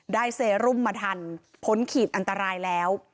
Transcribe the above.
เซรุมมาทันพ้นขีดอันตรายแล้ว